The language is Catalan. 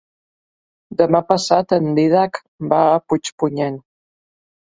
Demà passat en Dídac va a Puigpunyent.